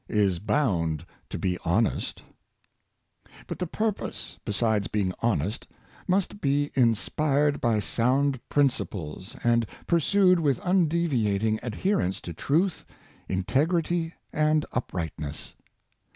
is bound to be honest." Moral Principles, 65 But the purpose, besides being honest, must be in spired by sound principles, and pursued with undeviat ing adherence to truth, integrity, and uprightness.